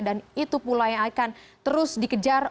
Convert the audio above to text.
dan itu pula yang akan terus dikejar